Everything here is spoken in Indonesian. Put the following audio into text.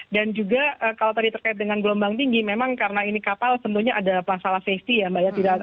dan juga kalau tadi terkait dengan gelombang tinggi memang karena ini kapal tentunya ada masalah safety ya mbak